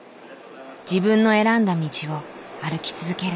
自分の選んだ道を歩き続ける。